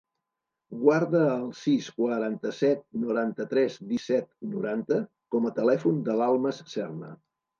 Guarda el sis, quaranta-set, noranta-tres, disset, noranta com a telèfon de l'Almas Serna.